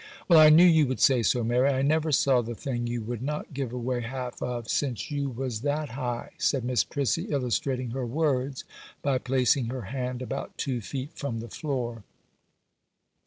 'Well, I knew you would say so, Mary; I never saw the thing you would not give away half of since you was that high,' said Miss Prissy, illustrating her words by placing her hand about two feet from the floor.